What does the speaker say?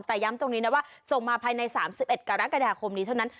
แต่ย้ำตรงนี้นะว่าส่งมาภายใน๓๑กรกฎาคมนี้เท่านั้น